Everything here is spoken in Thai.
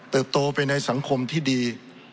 โตไปในสังคมที่ดี